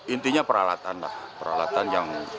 intinya peralatan lah peralatan yang